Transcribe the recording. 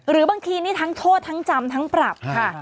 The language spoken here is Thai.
หรือบางทีนี่ทั้งโทษทั้งจำทั้งปรับค่ะ